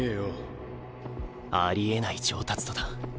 心の声ありえない上達度だ。